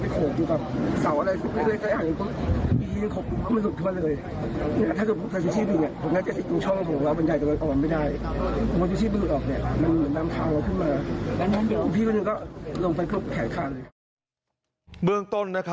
พี่ก็ลงไปคนขาดข้างเลย